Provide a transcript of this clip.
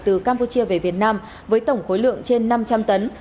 từ campuchia về việt nam với tổng khối lượng trên năm trăm linh tấn